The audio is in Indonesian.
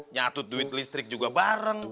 nyatut duit listrik juga bareng